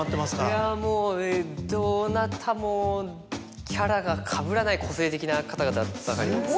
いやもうどなたもキャラがかぶらない個性的な方々ばかりなんです。